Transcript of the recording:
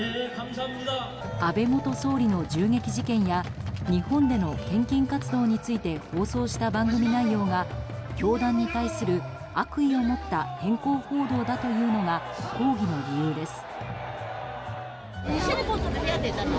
安倍元総理の銃撃事件や日本での献金活動について放送した番組内容が教団に対する悪意を持った偏向報道だというのが抗議の理由です。